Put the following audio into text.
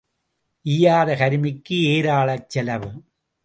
ஈயாத கருமிக்கு ஏராளச் செலவு.